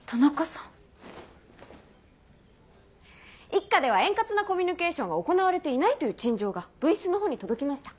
一課では円滑なコミュニケーションが行われていないという陳情が分室のほうに届きました。